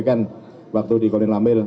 saya tidak tahu